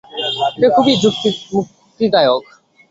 এটা খুবই মুক্তিদায়ক।